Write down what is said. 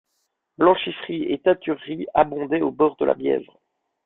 Blanchisseries et teintureries abondaient au bord de la Bièvre.